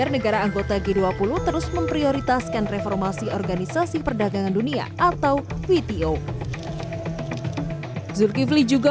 negara anggota g dua puluh terus memprioritaskan reformasi organisasi perdagangan dunia atau vto zulkifli juga